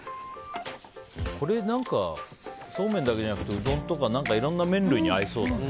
これ、何かそうめんだけじゃなくてうどんとかいろんな麺類に合いそうだね。